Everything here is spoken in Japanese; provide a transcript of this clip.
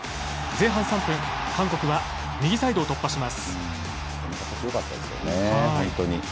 前半３分韓国は右サイドを突破します。